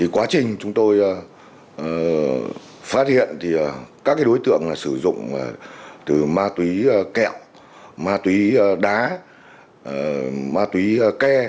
quá trình chúng tôi phát hiện thì các đối tượng sử dụng từ ma túy kẹo ma túy đá ma túy ke